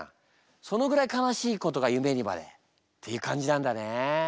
そのぐらい悲しいことが夢にまでっていう感じなんだね。